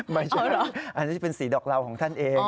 ไม่ใช่อันนี้จะเป็นสีดอกเหล่าของท่านเอง